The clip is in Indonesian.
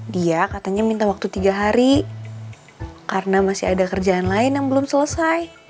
dia katanya minta waktu tiga hari karena masih ada kerjaan lain yang belum selesai